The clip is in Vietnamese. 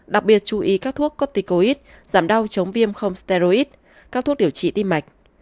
đặc biệt chú ý các thuốc corticoid giảm đau chống viêm không steroid các thuốc điều trị tim mạch